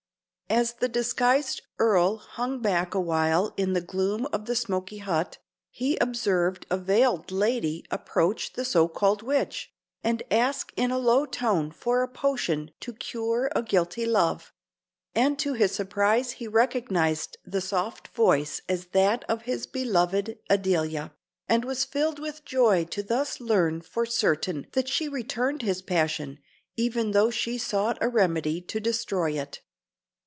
As the disguised Earl hung back a while in the gloom of the smoky hut, he observed a veiled lady approach the so called witch, and ask in a low tone for a potion to cure a guilty love; and to his surprise he recognised the soft voice as that of his beloved Adelia, and was filled with joy to thus learn for certain that she returned his passion, even though she sought a remedy to destroy it.